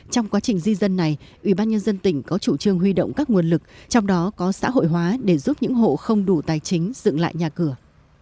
trong quá trình di dân này ủy ban nhân dân tỉnh có chủ trương huy động các nguồn lực trong đó có xã hội hóa để giúp những hộ không đủ tài chính dựng lại nhà cửa